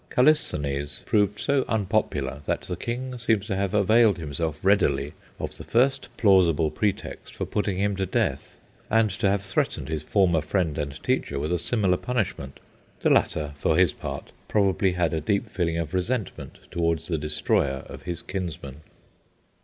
Callisthenes proved so unpopular, that the king seems to have availed himself readily of the first plausible pretext for putting him to death, and to have threatened his former friend and teacher with a similar punishment. The latter, for his part, probably had a deep feeling of resentment towards the destroyer of his kinsman.